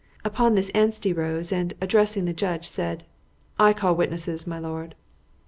Upon this Anstey rose and, addressing the judge, said "I call witnesses, my lord."